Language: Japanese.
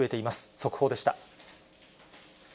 速報でした。